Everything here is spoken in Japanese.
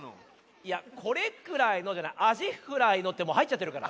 いや「これくらいの」が「アジフライの」ってもうはいっちゃってるから。